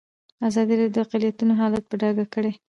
ازادي راډیو د اقلیتونه حالت په ډاګه کړی.